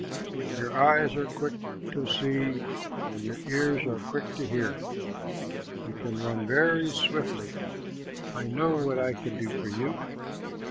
Your eyes are quick to see, and your ears are quick to hear. You can run very swiftly. I know what I can do for you.